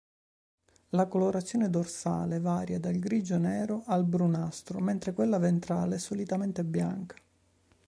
La colorazione dorsale varia dal grigio-nero al brunastro, mentre quella ventrale è solitamente bianca.